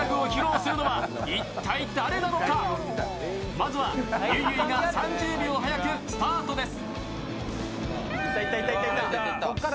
まずはゆいゆいが３０秒早くスタートです。